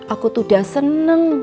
aku tuh udah seneng